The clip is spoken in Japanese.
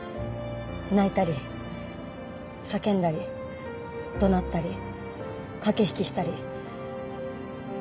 泣いたり叫んだり怒鳴ったり駆け引きしたり。